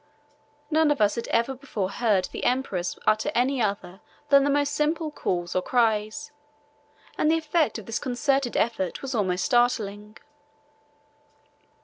None of us had ever before heard the emperors utter any other than the most simple calls or cries, and the effect of this concerted effort was almost startling.